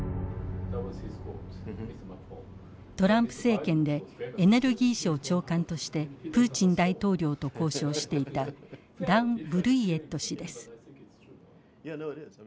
トランプ政権でエネルギー省長官としてプーチン大統領と交渉していたダン・ブルイエット氏です。